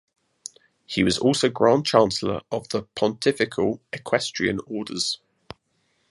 He was also grand chancellor of the Pontifical Equestrian Orders.